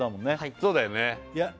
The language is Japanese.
そうだよね